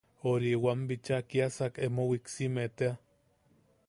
Ori... wam bicha kiasak emo wiksiime tea.